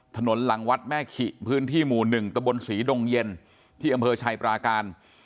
หลังวัดแม่ขิพื้นที่หมู่๑ตะบนศรีดงเย็นที่อำเภอชัยปราการ